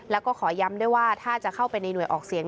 แล้วก็ขอย้ำด้วยว่าถ้าจะเข้าไปในหน่วยออกเสียง